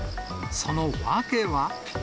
その訳は。